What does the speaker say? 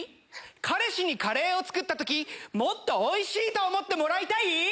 彼氏にカレーを作った時もっとおいしいと思ってもらいたい？